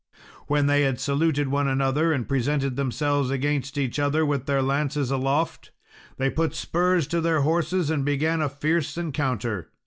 When they had saluted one another, and presented themselves against each other with their lances aloft, they put spurs to their horses and began a fierce encounter.